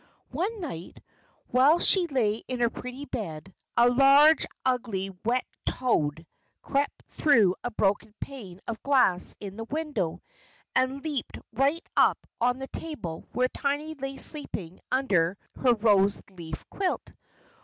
One night, while she lay in her pretty bed, a large, ugly, wet toad crept through a broken pane of glass in the window, and leaped right up on the table where Tiny lay sleeping under her rose leaf quilt.